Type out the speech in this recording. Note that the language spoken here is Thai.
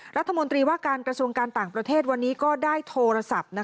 รัฐมนตรีว่าการกระทรวงการต่างประเทศวันนี้ก็ได้โทรศัพท์